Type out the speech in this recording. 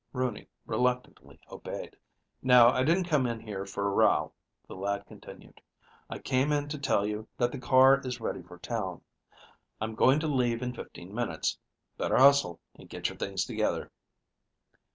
Rooney reluctantly obeyed. "Now, I didn't come in here for a row," the lad continued. "I came in to tell you that the car is ready for town. I'm going to leave in fifteen minutes. Better hustle and get your things together."